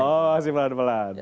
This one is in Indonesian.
oh masih pelan pelan